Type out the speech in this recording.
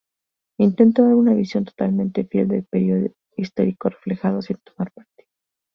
Intenta dar una visión totalmente fiel del periodo histórico reflejado, sin tomar partido.